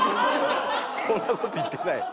そんな事言ってない。